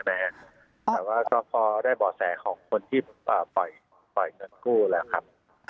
แต่ว่าก็พอได้บ่อแสของคนที่ปล่อยเงินกู้แล้วครับ